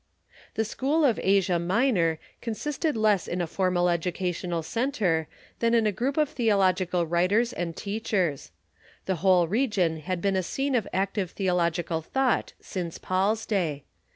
The school of Asia Minor consisted less in a formal educa tional centre than in a group of theological writers and teach ers. The whole region had been a scene of active theological thought since Paul's day.